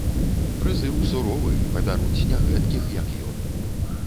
Прызыў суровы, пабяруць не гэткіх, як ён.